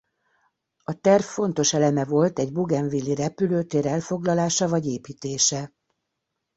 A terv fontos eleme volt egy bougainville-i repülőtér elfoglalása vagy építése.